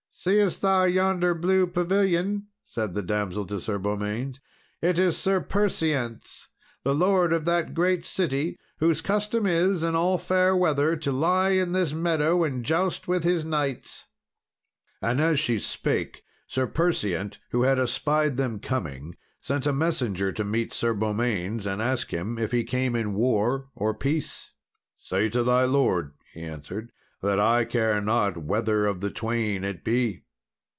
"Seest thou yonder blue pavilion?" said the damsel to Sir Beaumains; "it is Sir Perseant's, the lord of that great city, whose custom is, in all fair weather, to lie in this meadow, and joust with his knights." And as she spake, Sir Perseant, who had espied them coming, sent a messenger to meet Sir Beaumains, and to ask him if he came in war or peace. "Say to thy lord," he answered, "that I care not whether of the twain it be."